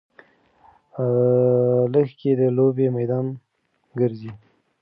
لږکي د لوبې میدان ګرځي.